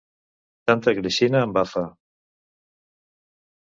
Tanta greixina embafa.